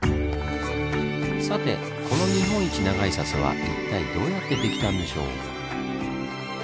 さてこの日本一長い砂州は一体どうやってできたんでしょう？